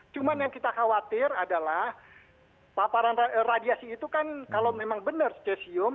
cuma yang kita khawatir adalah paparan radiasi itu kan kalau memang benar stesium